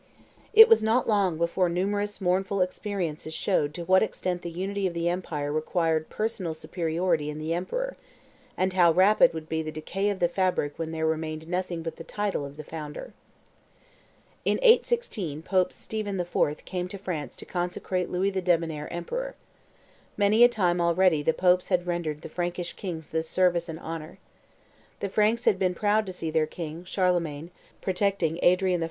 It was not long before numerous mournful experiences showed to what extent the unity of the empire required personal superiority in the emperor, and how rapid would be the decay of the fabric when there remained nothing but the title of the founder. In 816 Pope Stephen IV. came to France to consecrate Louis the Debonnair emperor. Many a time already the Popes had rendered the Frankish kings this service and honor. The Franks had been proud to see their king, Charlemagne, protecting Adrian I.